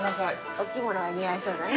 お着物が似合いそうだね。